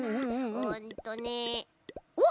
うんとねおっ！ん？